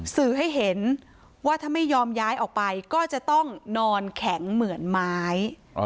สื่อให้เห็นว่าถ้าไม่ยอมย้ายออกไปก็จะต้องนอนแข็งเหมือนไม้